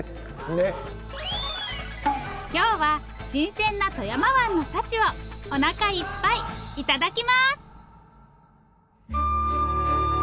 今日は新鮮な富山湾の幸をおなかいっぱいいただきます！